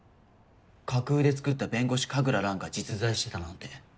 架空で作った「弁護士神楽蘭」が実在してたなんて。